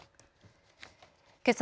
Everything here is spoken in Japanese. けさ